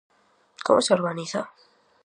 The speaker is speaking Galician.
Como se organiza?